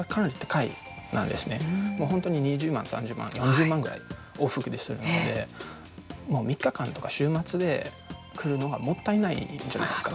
本当に２０万３０万４０万ぐらい往復でするのでもう３日間とか週末で来るのがもったいないじゃないですか。